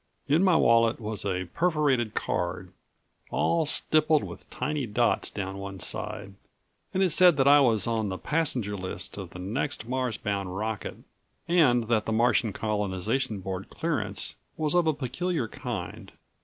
In my wallet was a perforated card, all stippled with tiny dots down one side, and it said that I was on the passenger list of the next Mars bound rocket, and that the Martian Colonization Board clearance was of a peculiar kind